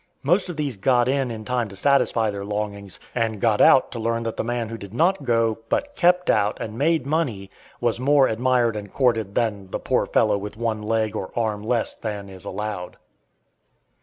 Most of these "got in" in time to satisfy their longings, and "got out" to learn that the man who did not go, but "kept out," and made money, was more admired and courted than the "poor fellow" with one leg or arm less than is "allowed."